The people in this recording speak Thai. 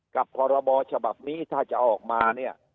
พรบฉบับนี้ถ้าจะออกมาเนี่ย